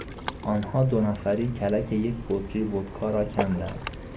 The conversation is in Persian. آنها دو نفری کلک یک بطری ودکا را کندند.